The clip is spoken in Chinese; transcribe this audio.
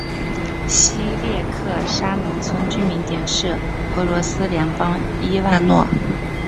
希列克沙农村居民点是俄罗斯联邦伊万诺沃州基涅什马区所属的一个农村居民点。